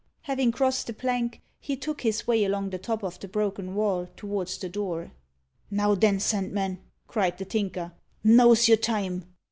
Having crossed the plank, he took his way along the top of the broken wall towards the door. "Now, then, Sandman!" cried the Tinker; "now's your time!"